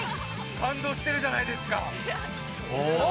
感動してるじゃないですか